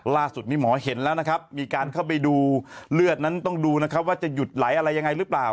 ล่าสุดนี้หมอเห็นแล้วนะครับมีการเข้าไปดูเลือดนั้นต้องดูนะครับว่าจะหยุดไหลอะไรยังไงหรือเปล่า